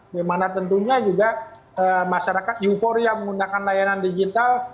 dimana tentunya juga masyarakat euforia menggunakan layanan digital